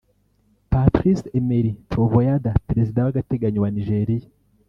Patrice Emery Trovoada; Perezida w’Agateganyo wa Nigeria